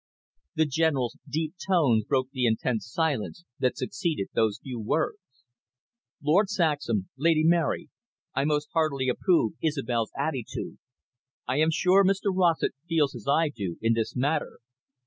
The General's deep tones broke the intense silence that succeeded those few words. "Lord Saxham, Lady Mary, I most heartily approve Isobel's attitude. I am sure Mr Rossett feels as I do in this matter.